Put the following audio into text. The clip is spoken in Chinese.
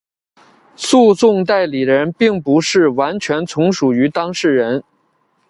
诉讼代理人并不是完全从属于当事人。